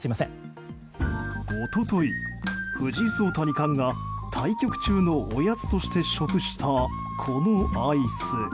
一昨日、藤井聡太二冠が対局中のおやつとして食した、このアイス。